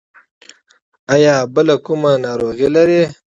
ایا بله کومه ناروغي لرئ؟